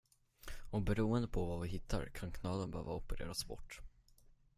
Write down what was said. Och beroende på vad vi hittar kan knölen behöva opereras bort.